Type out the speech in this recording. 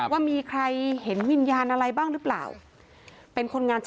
ว่ามีใครเห็นวิญญาณอะไรบ้างหรือเปล่า